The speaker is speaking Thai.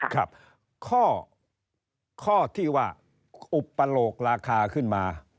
ครับข้อที่ว่าอุปโลกราคาขึ้นมา